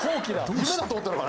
夢だと思ったのかな？